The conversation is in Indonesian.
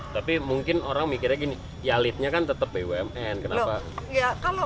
tapi mungkin orang mikirnya gini ya leadnya kan tetap bumn kenapa